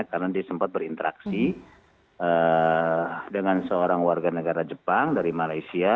karena dia sempat berinteraksi dengan seorang warga negara jepang dari malaysia